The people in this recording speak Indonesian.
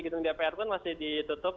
gedung dpr pun masih ditutup